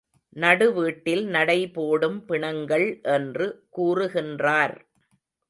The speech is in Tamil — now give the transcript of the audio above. நடுவீட்டில் நடை போடும் பிணங்கள் என்று கூறுகின்றார்.